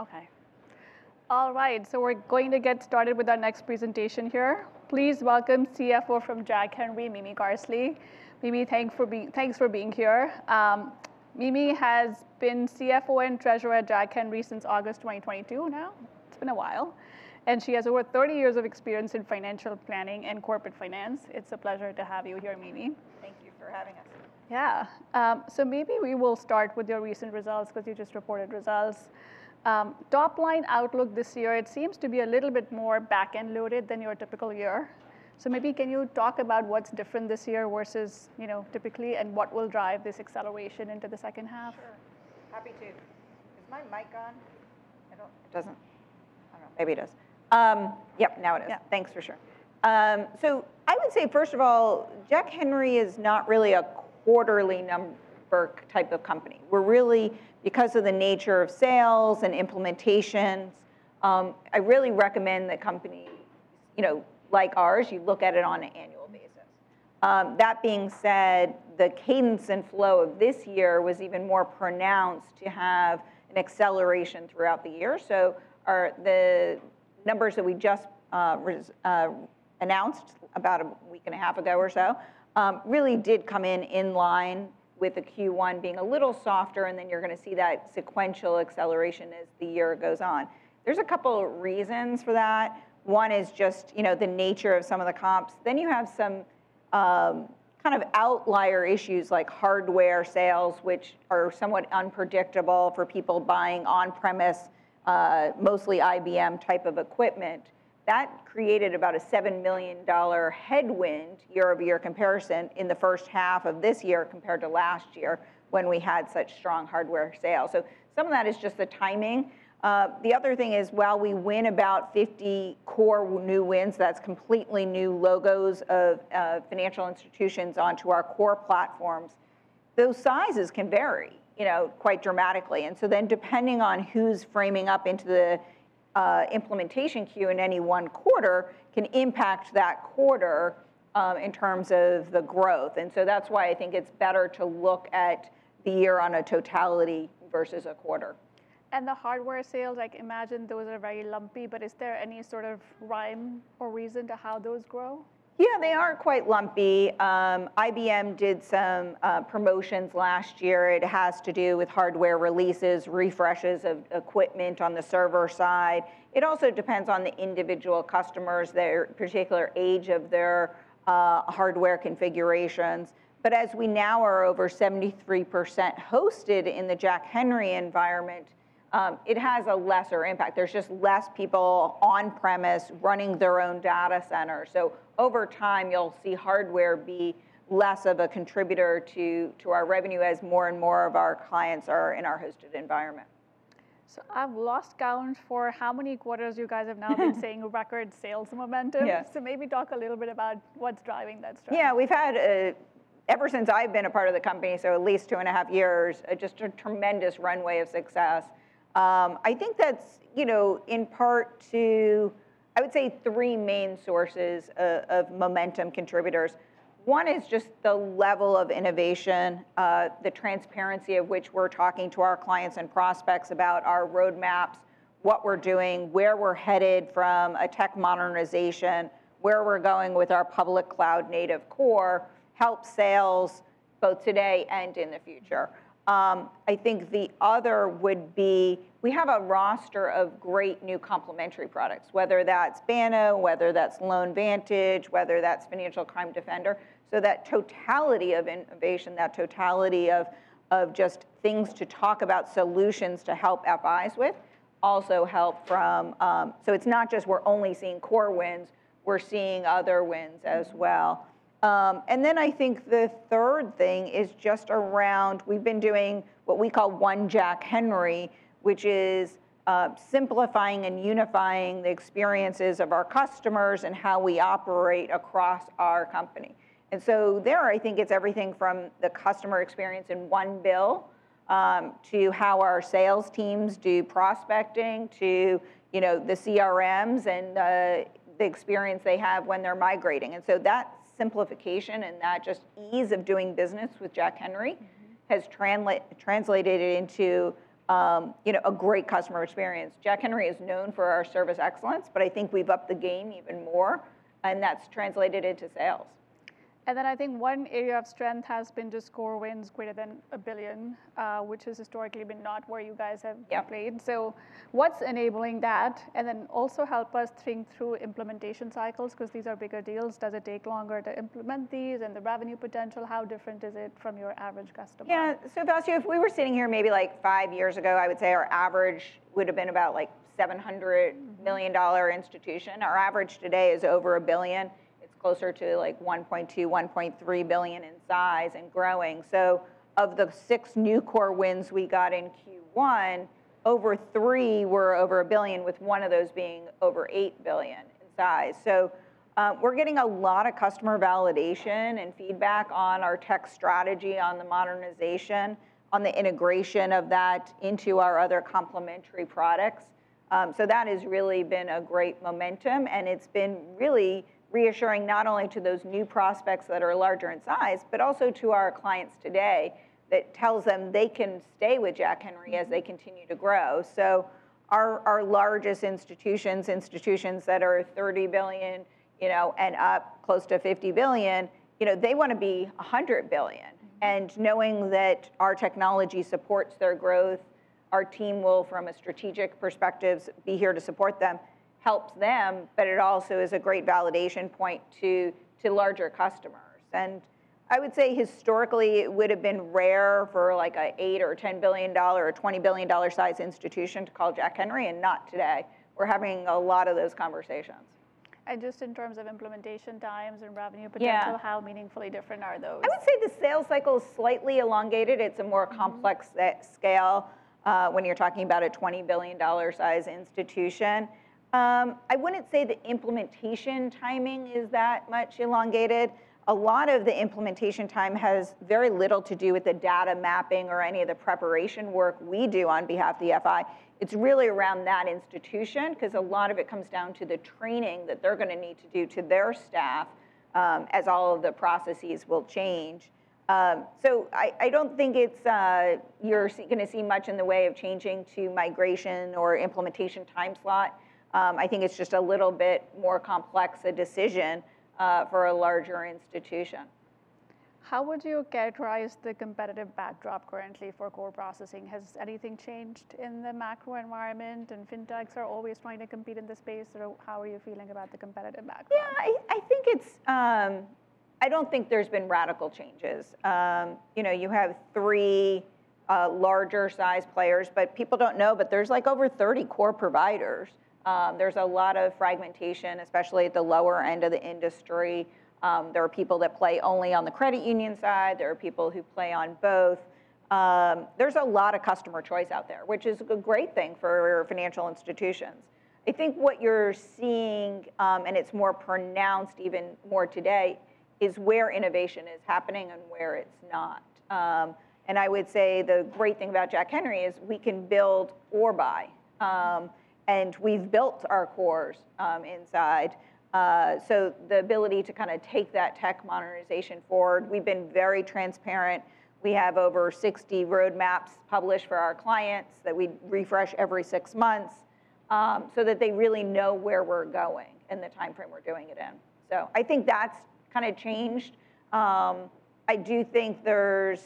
Okay. All right. So we're going to get started with our next presentation here. Please welcome CFO from Jack Henry & Associates, Mimi Carsley. Mimi, thanks for being here. Mimi has been CFO and Treasurer at Jack Henry & Associates since August 2022 now. It's been a while. And she has over 30 years of experience in financial planning and corporate finance. It's a pleasure to have you here, Mimi. Thank you for having us. Yeah. So maybe we will start with your recent results because you just reported results. Top line outlook this year, it seems to be a little bit more back-end loaded than your typical year. So maybe can you talk about what's different this year versus typically and what will drive this acceleration into the H2? Sure. Happy to. Is my mic on? It doesn't. I don't know. Maybe it is. Yep, now it is. Thanks for sure. So I would say, first of all, Jack Henry is not really a quarterly number type of company. We're really, because of the nature of sales and implementations, I really recommend a company like ours. You look at it on an annual basis. That being said, the cadence and flow of this year was even more pronounced to have an acceleration throughout the year. So the numbers that we just announced about a week and a half ago or so really did come in in line with the Q1 being a little softer. And then you're going to see that sequential acceleration as the year goes on. There's a couple of reasons for that. One is just the nature of some of the comps. Then you have some kind of outlier issues like hardware sales, which are somewhat unpredictable for people buying on-premise, mostly IBM type of equipment. That created about a $7 million headwind year-over-year comparison in the H1 of this year compared to last year when we had such strong hardware sales. So some of that is just the timing. The other thing is, while we win about 50 core new wins, that's completely new logos of financial institutions onto our core platforms, those sizes can vary quite dramatically. And so then depending on who's ramping up into the implementation queue in any one quarter can impact that quarter in terms of the growth. And so that's why I think it's better to look at the year in its totality versus a quarter. The hardware sales, I imagine those are very lumpy, but is there any sort of rhyme or reason to how those grow? Yeah, they are quite lumpy. IBM did some promotions last year. It has to do with hardware releases, refreshes of equipment on the server side. It also depends on the individual customers, their particular age of their hardware configurations. But as we now are over 73% hosted in the Jack Henry environment, it has a lesser impact. There's just less people on-premise running their own data centers. So over time, you'll see hardware be less of a contributor to our revenue as more and more of our clients are in our hosted environment. So I've lost count of how many quarters you guys have now been seeing record sales momentum. So maybe talk a little bit about what's driving that strength. Yeah, we've had, ever since I've been a part of the company, so at least two and a half years, just a tremendous runway of success. I think that's in part to, I would say, three main sources of momentum contributors. One is just the level of innovation, the transparency of which we're talking to our clients and prospects about our roadmaps, what we're doing, where we're headed from a tech modernization, where we're going with our public cloud native core helps sales both today and in the future. I think the other would be we have a roster of great new complementary products, whether that's Banno, whether that's LoanVantage, whether that's Financial Crimes Defender. So that totality of innovation, that totality of just things to talk about, solutions to help FIs with, also help from. So it's not just we're only seeing core wins, we're seeing other wins as well. And then I think the third thing is just around, we've been doing what we call One Jack Henry, which is simplifying and unifying the experiences of our customers and how we operate across our company. And so there, I think it's everything from the customer experience in one bill to how our sales teams do prospecting to the CRMs and the experience they have when they're migrating. And so that simplification and that just ease of doing business with Jack Henry has translated into a great customer experience. Jack Henry is known for our service excellence, but I think we've upped the game even more, and that's translated into sales. And then, I think one area of strength has been just core wins greater than a billion, which has historically been not where you guys have played. So, what's enabling that? And then, also, help us think through implementation cycles because these are bigger deals. Does it take longer to implement these? And the revenue potential, how different is it from your average customer? Yeah. So if we were sitting here maybe like five years ago, I would say our average would have been about a $700 million institution. Our average today is over a billion. It's closer to like 1.2-1.3 billion in size and growing. So of the six new core wins we got in Q1, over three were over a billion, with one of those being over 8 billion in size. So we're getting a lot of customer validation and feedback on our tech strategy, on the modernization, on the integration of that into our other complementary products. So that has really been a great momentum. And it's been really reassuring not only to those new prospects that are larger in size, but also to our clients today that tells them they can stay with Jack Henry as they continue to grow. So our largest institutions, institutions that are 30 billion and up, close to 50 billion, they want to be 100 billion. And knowing that our technology supports their growth, our team will, from a strategic perspective, be here to support them, helps them, but it also is a great validation point to larger customers. And I would say historically, it would have been rare for like an $8 or $10 billion or $20 billion size institution to call Jack Henry, and not today. We're having a lot of those conversations. And just in terms of implementation times and revenue potential, how meaningfully different are those? I would say the sales cycle is slightly elongated. It's a more complex scale when you're talking about a $20 billion size institution. I wouldn't say the implementation timing is that much elongated. A lot of the implementation time has very little to do with the data mapping or any of the preparation work we do on behalf of the FI. It's really around that institution because a lot of it comes down to the training that they're going to need to do to their staff as all of the processes will change. So I don't think you're going to see much in the way of changing to migration or implementation time slot. I think it's just a little bit more complex a decision for a larger institution. How would you characterize the competitive backdrop currently for core processing? Has anything changed in the macro environment? And fintechs are always trying to compete in this space. How are you feeling about the competitive backdrop? Yeah, I don't think there's been radical changes. You have three larger size players, but people don't know, but there's like over 30 core providers. There's a lot of fragmentation, especially at the lower end of the industry. There are people that play only on the credit union side. There are people who play on both. There's a lot of customer choice out there, which is a great thing for financial institutions. I think what you're seeing, and it's more pronounced today, is where innovation is happening and where it's not. I would say the great thing about Jack Henry is we can build or buy, and we've built our cores inside. So the ability to kind of take that tech modernization forward, we've been very transparent. We have over 60 roadmaps published for our clients that we refresh every six months so that they really know where we're going and the time frame we're doing it in. So I think that's kind of changed. I do think there's,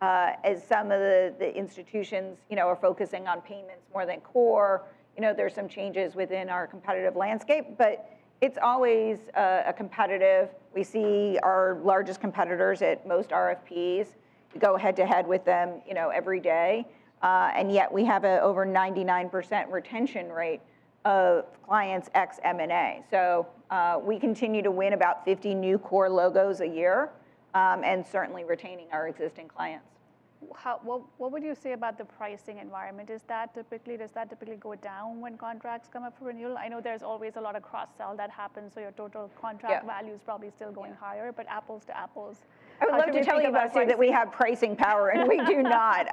as some of the institutions are focusing on payments more than core, there's some changes within our competitive landscape, but it's always a competitive. We see our largest competitors at most RFPs. We go head to head with them every day. And yet we have an over 99% retention rate of clients ex-M&A. So we continue to win about 50 new core logos a year and certainly retaining our existing clients. What would you say about the pricing environment? Does that typically go down when contracts come up for renewal? I know there's always a lot of cross-sell that happens, so your total contract value is probably still going higher, but apples to apples. I would love to tell you that we have pricing power and we do not.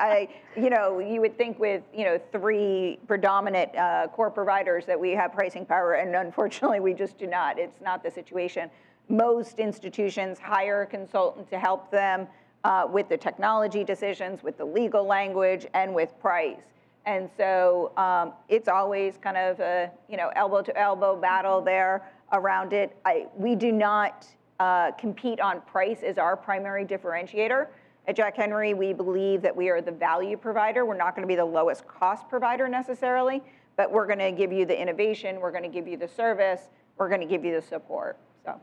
You would think with three predominant core providers that we have pricing power, and unfortunately, we just do not. It's not the situation. Most institutions hire a consultant to help them with the technology decisions, with the legal language, and with price, and so it's always kind of an elbow-to-elbow battle there around it. We do not compete on price as our primary differentiator. At Jack Henry, we believe that we are the value provider. We're not going to be the lowest cost provider necessarily, but we're going to give you the innovation. We're going to give you the service. We're going to give you the support. So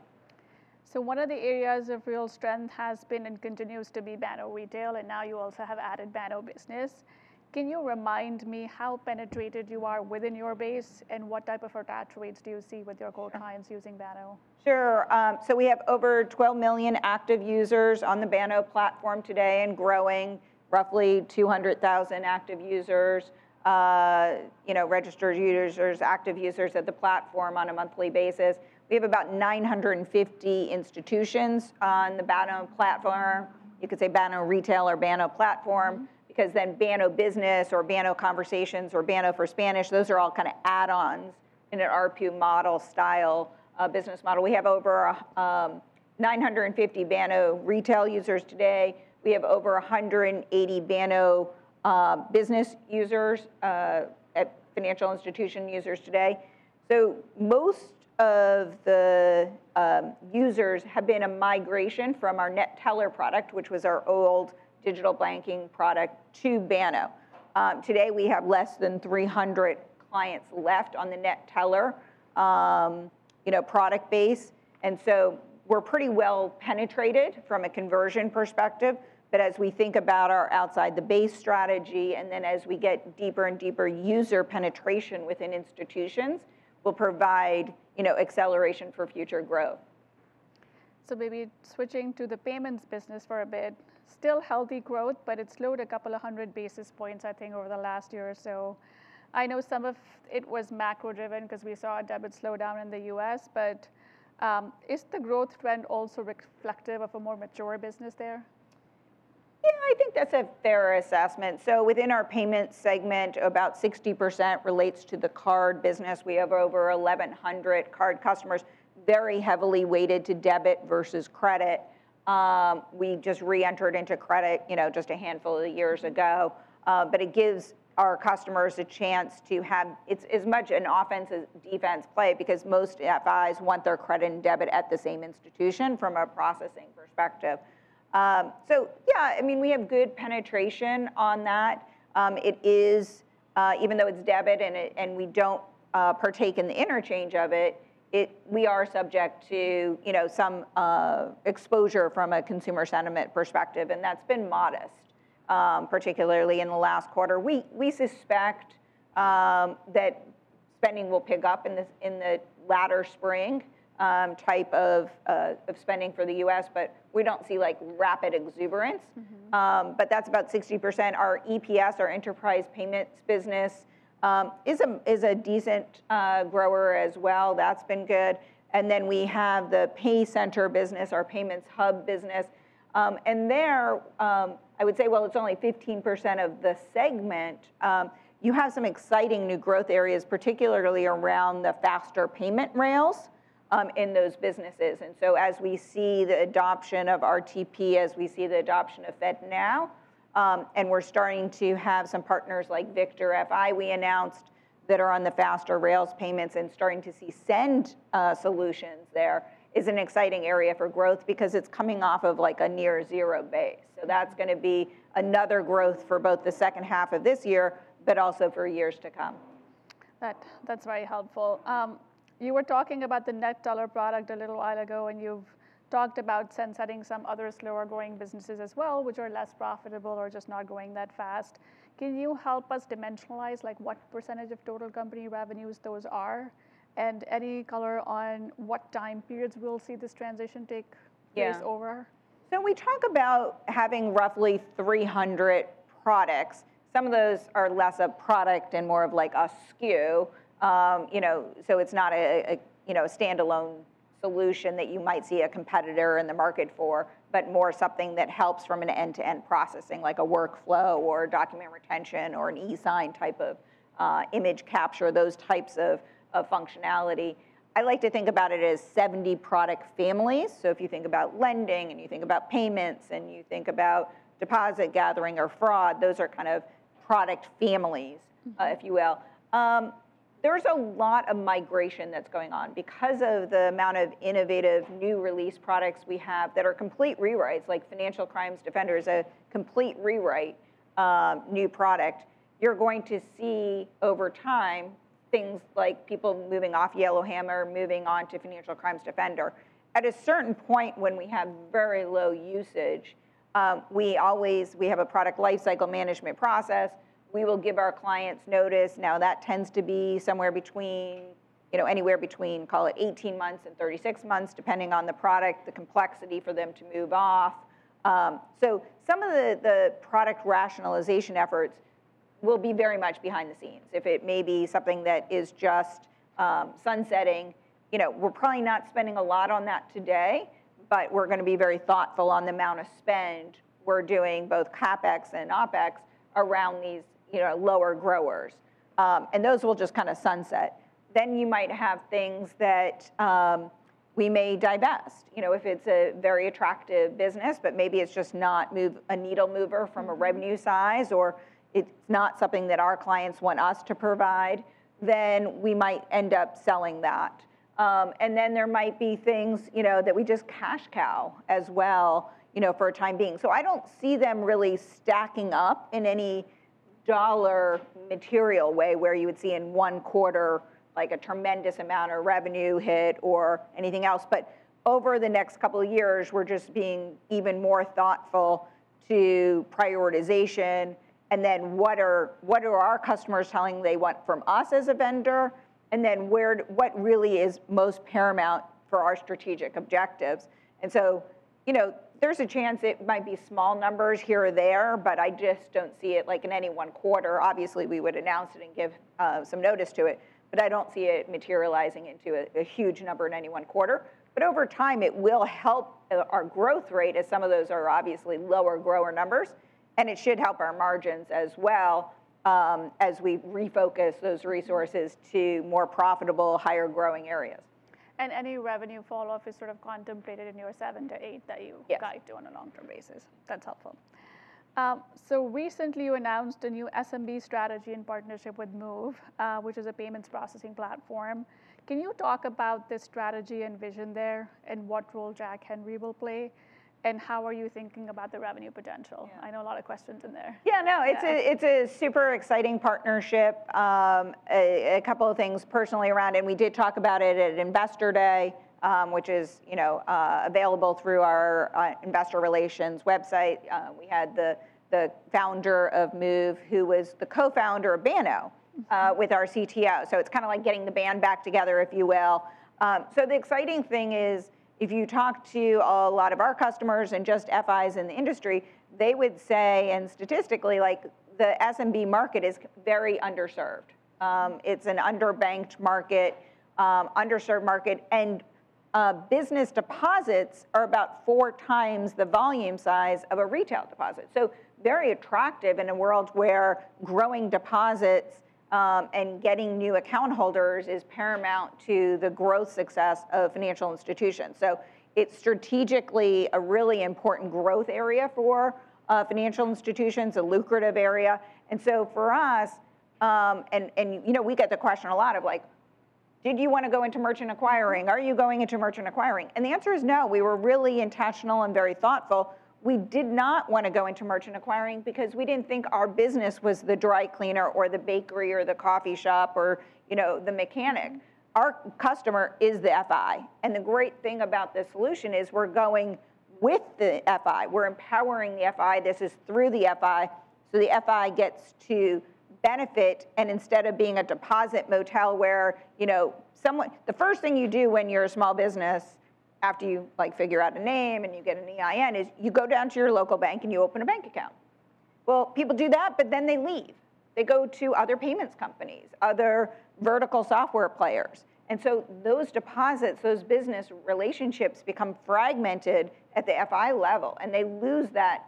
one of the areas of real strength has been and continues to be Banno Retail, and now you also have added Banno Business. Can you remind me how penetrated you are within your base and what type of attach rates do you see with your core clients using Banno? Sure. So we have over 12 million active users on the Banno platform today and growing roughly 200,000 active users, registered users, active users at the platform on a monthly basis. We have about 950 institutions on the Banno platform. You could say Banno Retail or Banno platform because then Banno Business or Banno Conversations or Banno for Spanish, those are all kind of add-ons in an RPU model style business model. We have over 950 Banno Retail users today. We have over 180 Banno Business users, financial institution users today. So most of the users have been a migration from our NetTeller product, which was our old digital banking product, to Banno. Today, we have less than 300 clients left on the NetTeller product base. And so we're pretty well penetrated from a conversion perspective. But as we think about our outside the base strategy and then as we get deeper and deeper user penetration within institutions, we'll provide acceleration for future growth. So maybe switching to the payments business for a bit. Still healthy growth, but it slowed a couple of hundred basis points, I think, over the last year or so. I know some of it was macro-driven because we saw a debit slowdown in the U.S., but is the growth trend also reflective of a more mature business there? Yeah, I think that's a fair assessment. So within our payments segment, about 60% relates to the card business. We have over 1,100 card customers very heavily weighted to debit versus credit. We just reentered into credit just a handful of years ago, but it gives our customers a chance to have as much an offense as defense play because most FIs want their credit and debit at the same institution from a processing perspective. So yeah, I mean, we have good penetration on that. It is, even though it's debit and we don't partake in the interchange of it, we are subject to some exposure from a consumer sentiment perspective, and that's been modest, particularly in the last quarter. We suspect that spending will pick up in the latter spring type of spending for the U.S., but we don't see rapid exuberance, but that's about 60%. Our EPS, our enterprise payments business, is a decent grower as well. That's been good and then we have the PayCenter business, our payments hub business and there, I would say, well, it's only 15% of the segment. You have some exciting new growth areas, particularly around the faster payment rails in those businesses and so as we see the adoption of RTP, as we see the adoption of FedNow, and we're starting to have some partners like Victor FI we announced that are on the faster rails payments and starting to see send solutions there, is an exciting area for growth because it's coming off of like a near zero base. So that's going to be another growth for both the H2 of this year, but also for years to come. That's very helpful. You were talking about the NetTeller product a little while ago, and you've talked about segmenting some other slower-growing businesses as well, which are less profitable or just not growing that fast. Can you help us dimensionalize what percentage of total company revenues those are and any color on what time periods we'll see this transition take place over? Yeah. So we talk about having roughly 300 products. Some of those are less a product and more of like a SKU. So it's not a standalone solution that you might see a competitor in the market for, but more something that helps from an end-to-end processing, like a workflow or document retention or an e-sign type of image capture, those types of functionality. I like to think about it as 70 product families. So if you think about lending and you think about payments and you think about deposit gathering or fraud, those are kind of product families, if you will. There's a lot of migration that's going on because of the amount of innovative new release products we have that are complete rewrites, like Financial Crimes Defender is a complete rewrite new product. You're going to see over time things like people moving off Yellow Hammer, moving on to Financial Crimes Defender. At a certain point when we have very low usage, we have a product lifecycle management process. We will give our clients notice. Now, that tends to be somewhere between, call it 18 months and 36 months, depending on the product, the complexity for them to move off. So some of the product rationalization efforts will be very much behind the scenes. If it may be something that is just sunsetting, we're probably not spending a lot on that today, but we're going to be very thoughtful on the amount of spend we're doing both CapEx and OpEx around these lower growers. And those will just kind of sunset. Then you might have things that we may divest. If it's a very attractive business, but maybe it's just not a needle mover from a revenue size or it's not something that our clients want us to provide, then we might end up selling that. Then there might be things that we just cash cow as well for the time being. So I don't see them really stacking up in any dollar material way where you would see in one quarter like a tremendous amount of revenue hit or anything else. Over the next couple of years, we're just being even more thoughtful to prioritization. Then what are our customers telling they want from us as a vendor? And then what really is most paramount for our strategic objectives? So there's a chance it might be small numbers here or there, but I just don't see it like in any one quarter. Obviously, we would announce it and give some notice to it, but I don't see it materializing into a huge number in any one quarter. But over time, it will help our growth rate as some of those are obviously lower grower numbers. And it should help our margins as well as we refocus those resources to more profitable, higher growing areas. Any revenue falloff is sort of contemplated in your 7-8 that you guide to on a long-term basis. That's helpful. Recently, you announced a new SMB strategy in partnership with Moov, which is a payments processing platform. Can you talk about this strategy and vision there and what role Jack Henry will play? How are you thinking about the revenue potential? I know a lot of questions in there. Yeah, no, it's a super exciting partnership. A couple of things personally around it. We did talk about it at Investor Day, which is available through our investor relations website. We had the founder of Moov, who was the co-founder of Banno with our CTO. So it's kind of like getting the band back together, if you will. So the exciting thing is if you talk to a lot of our customers and just FIs in the industry, they would say, and statistically, the SMB market is very underserved. It's an underbanked market, underserved market, and business deposits are about four times the volume size of a retail deposit. So very attractive in a world where growing deposits and getting new account holders is paramount to the growth success of financial institutions. So it's strategically a really important growth area for financial institutions, a lucrative area. And so for us, and we get the question a lot of like, did you want to go into merchant acquiring? Are you going into merchant acquiring? And the answer is no. We were really intentional and very thoughtful. We did not want to go into merchant acquiring because we didn't think our business was the dry cleaner or the bakery or the coffee shop or the mechanic. Our customer is the FI. And the great thing about this solution is we're going with the FI. We're empowering the FI. This is through the FI. So the FI gets to benefit. And instead of being a deposit motel where the first thing you do when you're a small business, after you figure out a name and you get an EIN, is you go down to your local bank and you open a bank account. Well, people do that, but then they leave. They go to other payments companies, other vertical software players. And so those deposits, those business relationships become fragmented at the FI level, and they lose that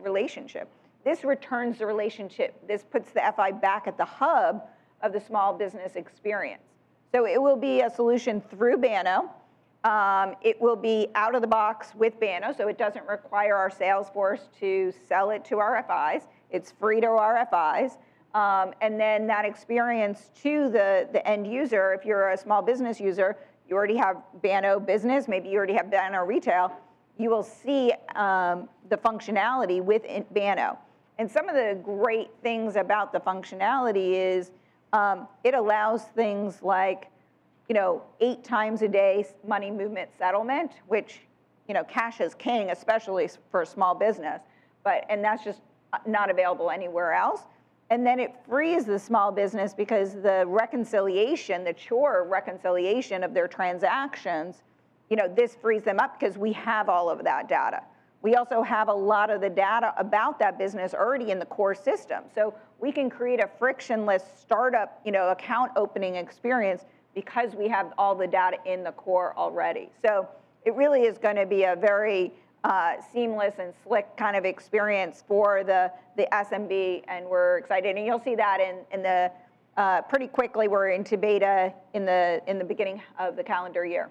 relationship. This returns the relationship. This puts the FI back at the hub of the small business experience. So it will be a solution through Banno. It will be out of the box with Banno. So it doesn't require our salesforce to sell it to our FIs. It's free to our FIs. And then that experience to the end user, if you're a small business user, you already have Banno Business. Maybe you already have Banno Retail. You will see the functionality with Banno. And some of the great things about the functionality is it allows things like eight times a day money movement settlement, which cash is king, especially for a small business. That's just not available anywhere else. Then it frees the small business because the reconciliation, the core reconciliation of their transactions. This frees them up because we have all of that data. We also have a lot of the data about that business already in the core system. We can create a frictionless startup account opening experience because we have all the data in the core already. It really is going to be a very seamless and slick kind of experience for the SMB, and we're excited. You'll see that pretty quickly. We're into beta in the beginning of the calendar year.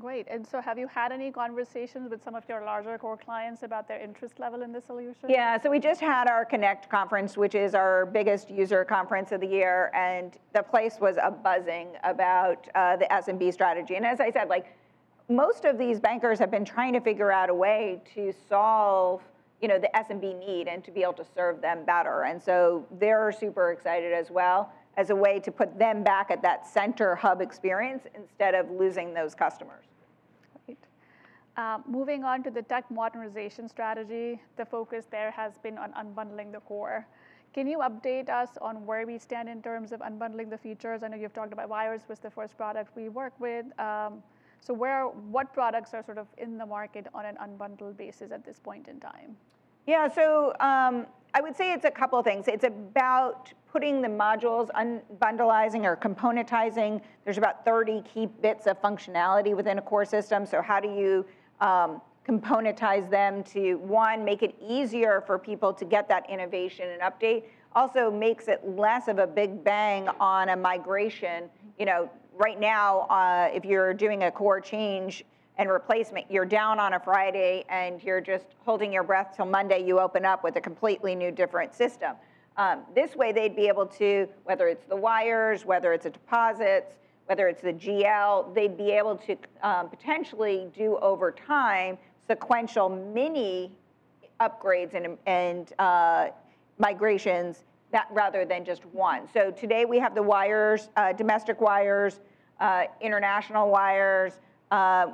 Great. And so have you had any conversations with some of your larger core clients about their interest level in the solution? Yeah. So we just had our Connect Conference, which is our biggest user conference of the year. And the place was buzzing about the SMB strategy. And as I said, most of these bankers have been trying to figure out a way to solve the SMB need and to be able to serve them better. And so they're super excited as well as a way to put them back at that center hub experience instead of losing those customers. Great. Moving on to the tech modernization strategy, the focus there has been on unbundling the core. Can you update us on where we stand in terms of unbundling the features? I know you've talked about Wires, which was the first product we worked with. So what products are sort of in the market on an unbundled basis at this point in time? Yeah. So I would say it's a couple of things. It's about putting the modules, unbundling or componentizing. There's about 30 key bits of functionality within a core system. So how do you componentize them to, one, make it easier for people to get that innovation and update? Also makes it less of a big bang on a migration. Right now, if you're doing a core change and replacement, you're down on a Friday, and you're just holding your breath till Monday you open up with a completely new different system. This way, they'd be able to, whether it's the wires, whether it's the deposits, whether it's the GL, they'd be able to potentially do over time sequential mini upgrades and migrations rather than just one. So today we have the wires, domestic wires, international wires.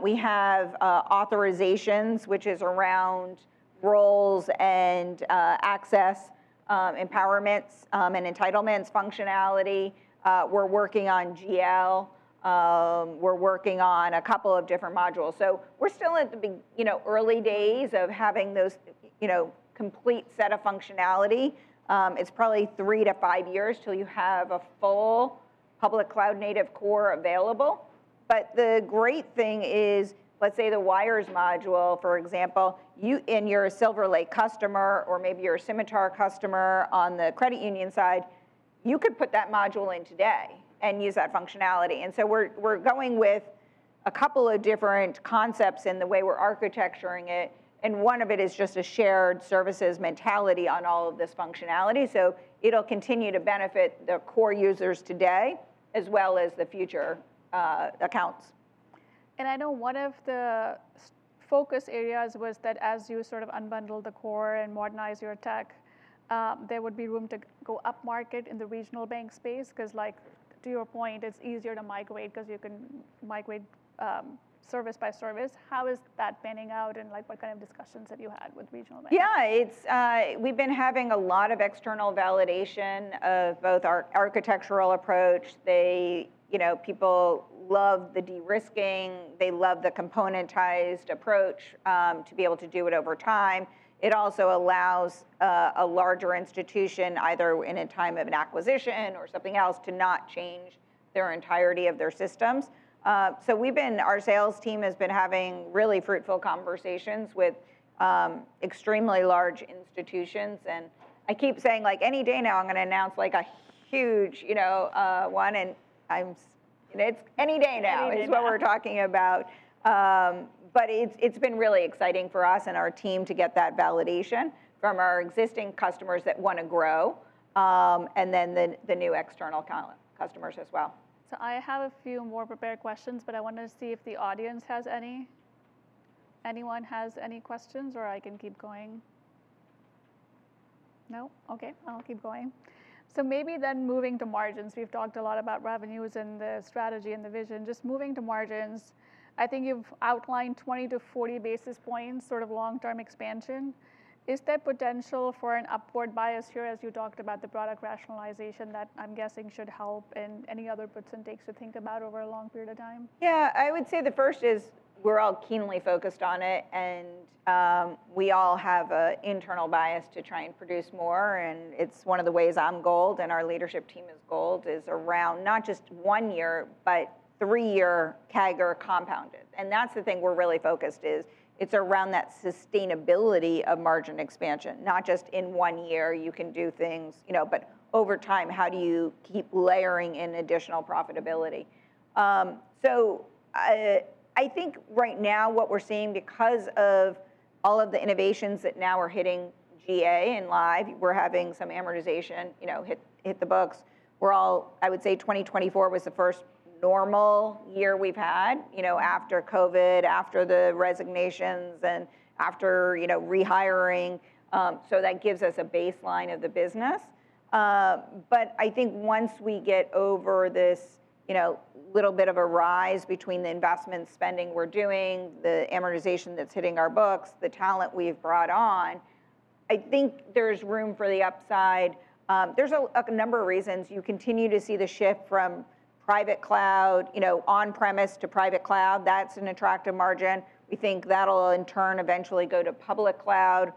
We have authorizations, which is around roles and access, empowerments, and entitlements functionality. We're working on GL. We're working on a couple of different modules. So we're still in the early days of having those complete set of functionality. It's probably three to five years till you have a full public cloud-native core available. But the great thing is, let's say the wires module, for example, in your SilverLake customer or maybe your Symitar customer on the credit union side, you could put that module in today and use that functionality. And so we're going with a couple of different concepts in the way we're architecturing it. And one of it is just a shared services mentality on all of this functionality. So it'll continue to benefit the core users today as well as the future accounts. I know one of the focus areas was that as you sort of unbundle the core and modernize your tech, there would be room to go upmarket in the regional bank space because, to your point, it's easier to migrate because you can migrate service by service. How is that panning out, and what kind of discussions have you had with regional banks? Yeah. We've been having a lot of external validation of both our architectural approach. People love the de-risking. They love the componentized approach to be able to do it over time. It also allows a larger institution, either in a time of an acquisition or something else, to not change their entirety of their systems. So our sales team has been having really fruitful conversations with extremely large institutions. And I keep saying any day now I'm going to announce a huge one. And it's any day now is what we're talking about. But it's been really exciting for us and our team to get that validation from our existing customers that want to grow and then the new external customers as well. So I have a few more prepared questions, but I want to see if the audience has any. Anyone has any questions, or I can keep going? No? Okay. I'll keep going. So maybe then moving to margins. We've talked a lot about revenues and the strategy and the vision. Just moving to margins, I think you've outlined 20-40 basis points sort of long-term expansion. Is there potential for an upward bias here as you talked about the product rationalization that I'm guessing should help and any other percentage to think about over a long period of time? Yeah. I would say the first is we're all keenly focused on it. And we all have an internal bias to try and produce more. And it's one of the ways I'm goaled and our leadership team is goaled is around not just one year, but three-year CAGR, compounded. And that's the thing we're really focused on. It's around that sustainability of margin expansion, not just in one year you can do things, but over time, how do you keep layering in additional profitability? So I think right now what we're seeing because of all of the innovations that now are hitting GA and live, we're having some amortization hit the books. I would say 2024 was the first normal year we've had after COVID, after the resignations, and after rehiring. So that gives us a baseline of the business. But I think once we get over this little bit of a rise between the investment spending we're doing, the amortization that's hitting our books, the talent we've brought on, I think there's room for the upside. There's a number of reasons. You continue to see the shift from on-premise to private cloud. That's an attractive margin. We think that'll in turn eventually go to public cloud.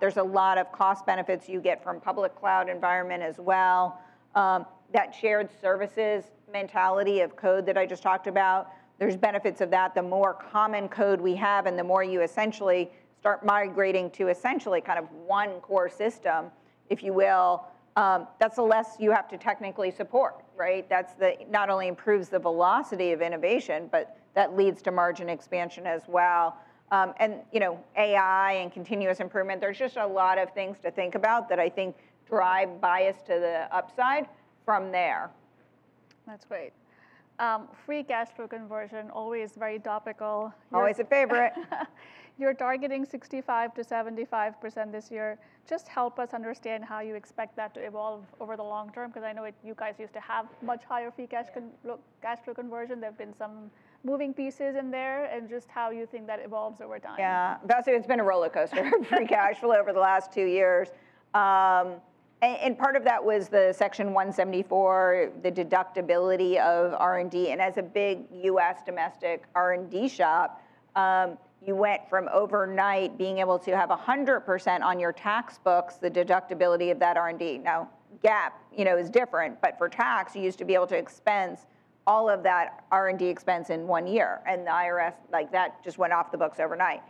There's a lot of cost benefits you get from public cloud environment as well. That shared services mentality of code that I just talked about, there's benefits of that. The more common code we have and the more you essentially start migrating to essentially kind of one core system, if you will, that's the less you have to technically support. That not only improves the velocity of innovation, but that leads to margin expansion as well. AI and continuous improvement, there's just a lot of things to think about that I think drive bias to the upside from there. That's great. Free cash flow conversion, always very topical. Always a favorite. You're targeting 65%-75% this year. Just help us understand how you expect that to evolve over the long term because I know you guys used to have much higher free cash flow conversion. There've been some moving pieces in there and just how you think that evolves over time. Yeah. It's been a roller coaster free cash flow over the last two years. And part of that was the Section 174, the deductibility of R&D. And as a big U.S. domestic R&D shop, you went from overnight being able to have 100% on your tax books, the deductibility of that R&D. Now, GAAP is different, but for tax, you used to be able to expense all of that R&D expense in one year. And the IRS, that just went off the books overnight.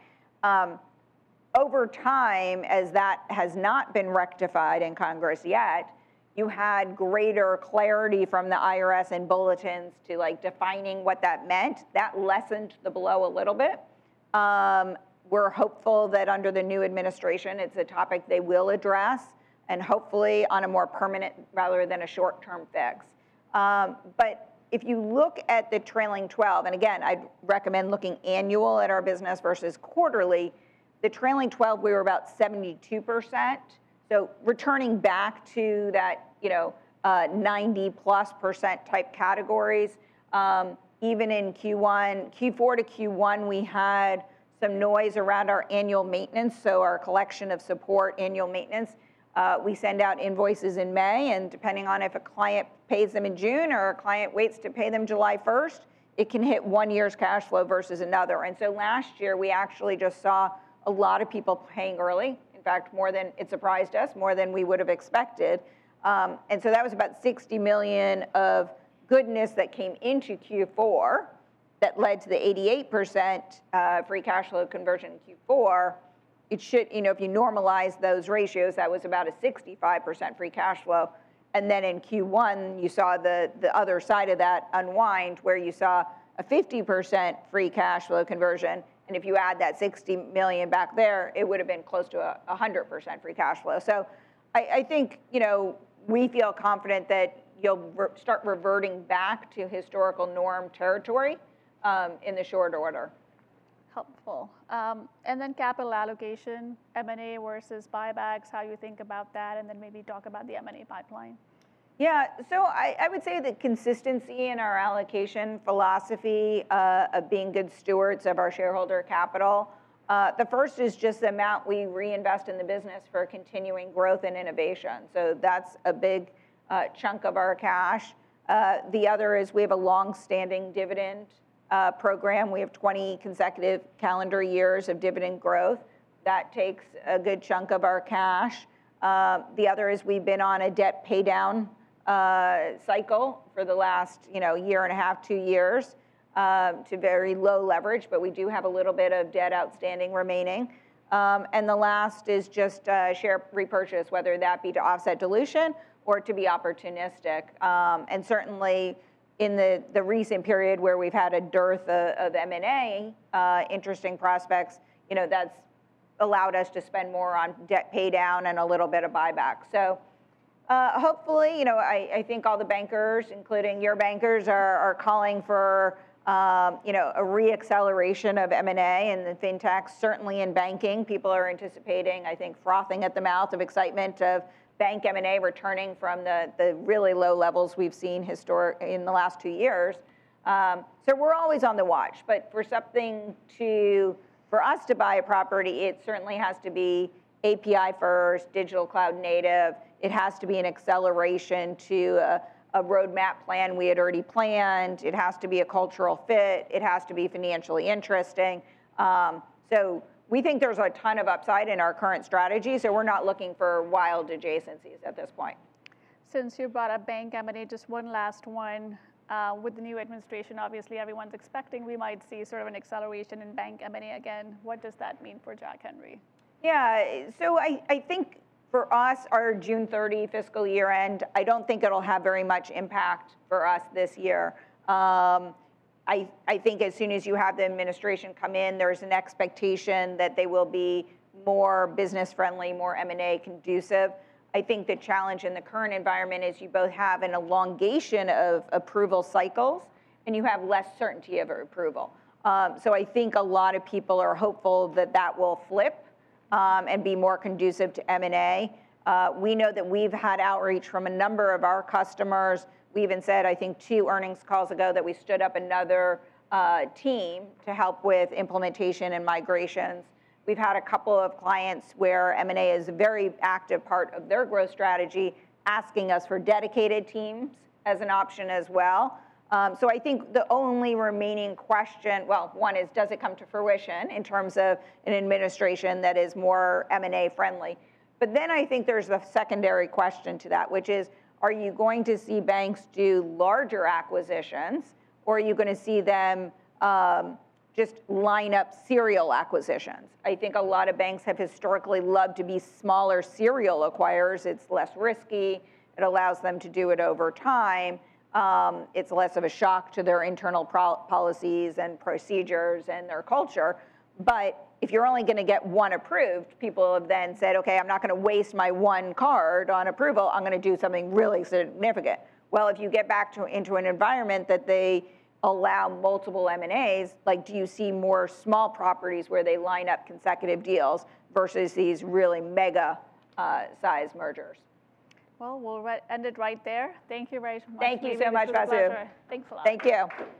Over time, as that has not been rectified in Congress yet, you had greater clarity from the IRS and bulletins to defining what that meant. That lessened the blow a little bit. We're hopeful that under the new administration, it's a topic they will address and hopefully on a more permanent rather than a short-term fix. But if you look at the trailing 12, and again, I'd recommend looking annual at our business versus quarterly, the trailing 12, we were about 72%. So returning back to that 90-plus% type categories, even in Q4 to Q1, we had some noise around our annual maintenance. So our collection of support, annual maintenance, we send out invoices in May. And depending on if a client pays them in June or a client waits to pay them July 1st, it can hit one year's cash flow versus another. And so last year, we actually just saw a lot of people paying early. In fact, it surprised us more than we would have expected. And so that was about $60 million of goodness that came into Q4 that led to the 88% free cash flow conversion in Q4. If you normalize those ratios, that was about a 65% free cash flow. And then in Q1, you saw the other side of that unwind where you saw a 50% free cash flow conversion. And if you add that $60 million back there, it would have been close to 100% free cash flow. So I think we feel confident that you'll start reverting back to historical norm territory in the short order. Helpful, and then capital allocation, M&A versus buybacks, how you think about that, and then maybe talk about the M&A pipeline. Yeah, so I would say the consistency in our allocation philosophy of being good stewards of our shareholder capital. The first is just the amount we reinvest in the business for continuing growth and innovation. So that's a big chunk of our cash. The other is we have a long-standing dividend program. We have 20 consecutive calendar years of dividend growth. That takes a good chunk of our cash. The other is we've been on a debt paydown cycle for the last year and a half, two years to very low leverage, but we do have a little bit of debt outstanding remaining, and the last is just share repurchase, whether that be to offset dilution or to be opportunistic, and certainly in the recent period where we've had a dearth of M&A, interesting prospects, that's allowed us to spend more on debt paydown and a little bit of buyback. So hopefully, I think all the bankers, including your bankers, are calling for a reacceleration of M&A in the fintechs. Certainly in banking, people are anticipating, I think, frothing at the mouth of excitement of bank M&A returning from the really low levels we've seen in the last two years. So we're always on the watch. But for us to buy a property, it certainly has to be API first, digital cloud native. It has to be an acceleration to a roadmap plan we had already planned. It has to be a cultural fit. It has to be financially interesting. So we think there's a ton of upside in our current strategy. So we're not looking for wild adjacencies at this point. Since you brought up bank M&A, just one last one. With the new administration, obviously, everyone's expecting we might see sort of an acceleration in bank M&A again. What does that mean for Jack Henry? Yeah. So I think for us, our June 30 fiscal year end, I don't think it'll have very much impact for us this year. I think as soon as you have the administration come in, there's an expectation that they will be more business-friendly, more M&A conducive. I think the challenge in the current environment is you both have an elongation of approval cycles, and you have less certainty of approval. So I think a lot of people are hopeful that that will flip and be more conducive to M&A. We know that we've had outreach from a number of our customers. We even said, I think, two earnings calls ago that we stood up another team to help with implementation and migrations. We've had a couple of clients where M&A is a very active part of their growth strategy, asking us for dedicated teams as an option as well. So I think the only remaining question, well, one is, does it come to fruition in terms of an administration that is more M&A friendly? But then I think there's the secondary question to that, which is, are you going to see banks do larger acquisitions, or are you going to see them just line up serial acquisitions? I think a lot of banks have historically loved to be smaller serial acquirers. It's less risky. It allows them to do it over time. It's less of a shock to their internal policies and procedures and their culture. But if you're only going to get one approved, people have then said, okay, I'm not going to waste my one card on approval. I'm going to do something really significant. If you get back into an environment that they allow multiple M&As, do you see more small properties where they line up consecutive deals versus these really mega-sized mergers? Well, we'll end it right there. Thank you very much. Thank you so much, Betsy. Thanks a lot. Thank you.